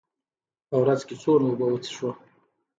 په ورځ کې څومره اوبه وڅښو؟